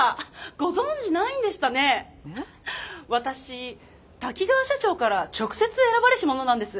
私滝川社長から直接選ばれし者なんです。